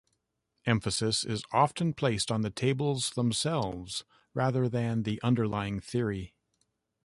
Emphasis is often placed on the tables themselves, rather than the underlying theory.